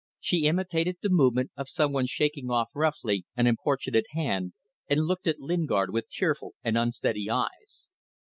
She imitated the movement of some one shaking off roughly an importunate hand, and looked at Lingard with tearful and unsteady eyes.